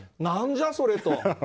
何じゃそれと。